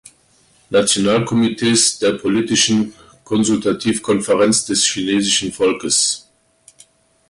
Nationalkomitees der Politischen Konsultativkonferenz des Chinesischen Volkes.